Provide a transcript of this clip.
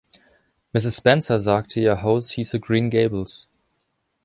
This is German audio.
Mrs. Spencer sagte, Ihr Haus hieße Green Gables.